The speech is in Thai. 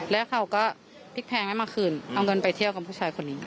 แล้วเขาก็พลิกแพงให้มาคืนเอาเงินไปเที่ยวกับผู้ชายคนนี้